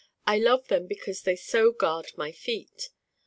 I love them because they so guard my feet.